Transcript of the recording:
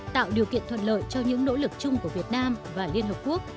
tạo điều kiện thuận lợi cho những nỗ lực chung của việt nam và liên hợp quốc